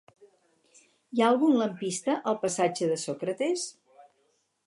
Hi ha algun lampista al passatge de Sòcrates?